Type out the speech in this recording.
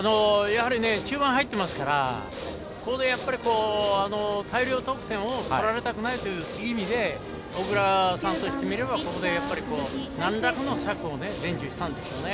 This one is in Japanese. やはり中盤に入ってますからここで大量得点を取られたくないという意味で小倉さんとしてみれば、ここで何らかの策を伝授したんでしょうね。